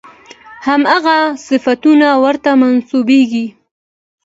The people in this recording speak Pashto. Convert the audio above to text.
همغه صفتونه ورته منسوبېږي.